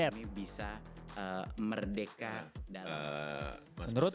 khususnya bagi generasi milenial dan juga z